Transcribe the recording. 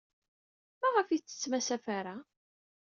Maɣef ay tettessem asafar-a?